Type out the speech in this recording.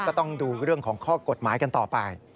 ก็ต้องดูเรื่องของข้อกฎหมายกันต่อไป